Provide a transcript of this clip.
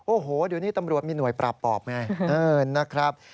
โอ้โหเดี๋ยวนี้ตำรวจมีหน่วยปราบปอบไงนะครับ